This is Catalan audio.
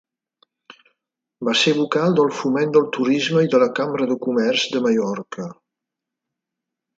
Va ser vocal del Foment del Turisme i de la Cambra de Comerç de Mallorca.